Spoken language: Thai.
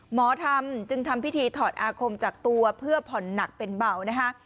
หมอทำจึงทำพิธีถอดอาคมจากตัวเพื่อผ่อนหนักเป็นเบานะคะ